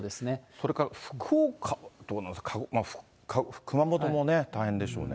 それから福岡、熊本もね、大変でしょうね。